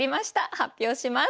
発表します。